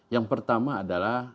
yang pertama adalah